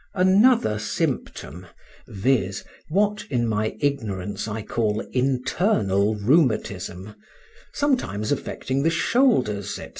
Another symptom—viz., what in my ignorance I call internal rheumatism (sometimes affecting the shoulders, &c.